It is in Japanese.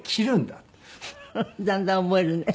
だんだん覚えるね。